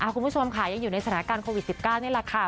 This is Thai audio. คุณผู้ชมค่ะยังอยู่ในสถานการณ์โควิด๑๙นี่แหละค่ะ